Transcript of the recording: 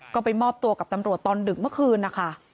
ก็ไปมอบตัวกับตำรวจตอนดึกเมื่อคืนนะคะ